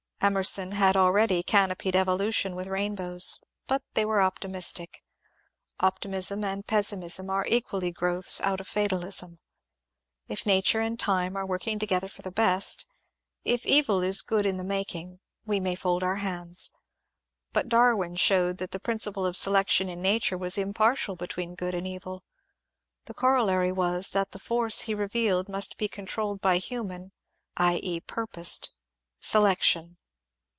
Emerson had already canopied Evolution with rainbows, but they were optimistic. Optimism and Pessimism are equally growths out of Fatalism. If nature and time are working together for the best, if evil is good in the making, we may fold our hands. But Darwin showed that the prin ciple of selection in nature was impartial between good and evil ; the coroUary was that the force he revealed must be controlled by human (i. e. purposed) selection.